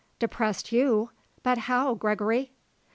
"Depressed you? But how, Gregory?"